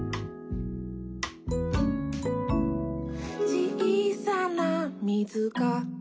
「ちいさなみずが」